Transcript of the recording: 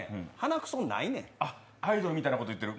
アイドルみたいなこと言ってる。